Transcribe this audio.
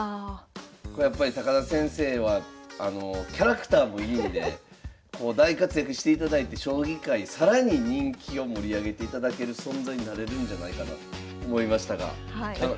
やっぱり田先生はキャラクターもいいんで大活躍していただいて将棋界更に人気を盛り上げていただける存在になれるんじゃないかなと思いましたが。